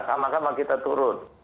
sama sama kita turun